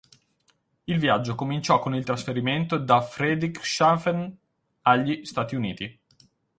Il viaggio cominciò con il trasferimento da Friedrichshafen agli Stati Uniti.